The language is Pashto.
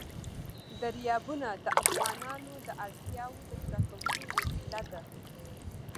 دریابونه د افغانانو د اړتیاوو د پوره کولو وسیله ده.